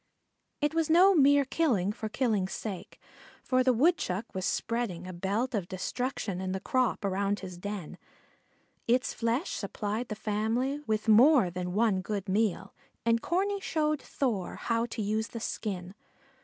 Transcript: It was no mere killing for killing's sake, for the Woodchuck was spreading a belt of destruction in the crop around his den. Its flesh supplied the family with more than one good meal and Corney showed Thor how to use the skin.